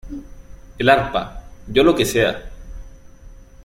el arpa, yo lo que sea.